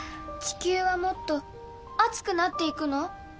地球はもっと熱くなっていくの？